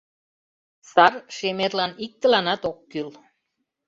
— Сар шемерлан иктыланат ок кӱл.